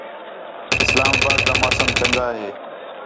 اسلام آباد تا موسم چَنڳا ہے